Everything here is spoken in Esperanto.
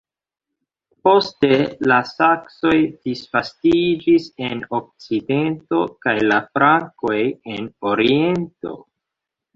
Poste la Saksoj disvastiĝis en okcidento kaj la Frankoj en oriento.